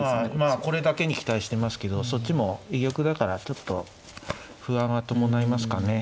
まあこれだけに期待してますけどそっちも居玉だからちょっと不安が伴いますかね。